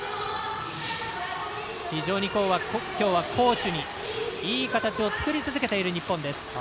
非常にきょうは攻守にいい形を作り続けている日本です。